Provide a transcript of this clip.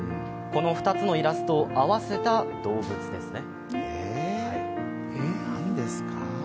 この２つのイラストを合わせた動物ですね。